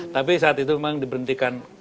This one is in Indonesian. tapi saat itu memang diberhentikan